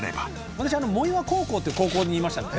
私藻岩高校って高校にいましたので。